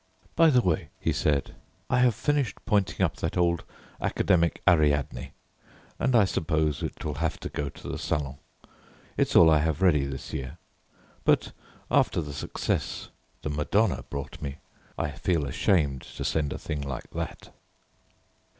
"By the way," he said, "I have finished pointing up that old academic Ariadne, and I suppose it will have to go to the Salon. It's all I have ready this year, but after the success the 'Madonna' brought me I feel ashamed to send a thing like that."